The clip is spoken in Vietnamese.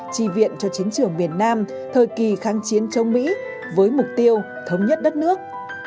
tri viện cho chiến trường miền nam thời kỳ kháng chiến chống mỹ với mục tiêu thống nhất đất nước